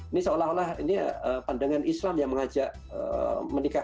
ini seolah olah ini pandangan islam yang mengajak menikah